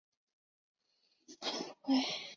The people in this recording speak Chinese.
阿勒泰花蟹蛛为蟹蛛科花蟹蛛属的动物。